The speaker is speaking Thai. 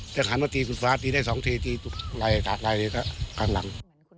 แต่ฝาตีได้๒ทีตีถูกไหลตากไหลก็กลางหลัง